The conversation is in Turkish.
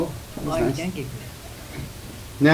Ayna gibi…